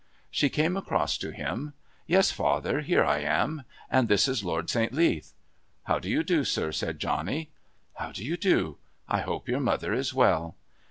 She came across to him. "Yes, father, here I am. And this is Lord St. Leath." "How do you do, sir?" said Johnny. "How do you do? I hope your mother is well."